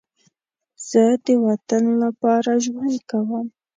زه د وطن لپاره ژوند کوم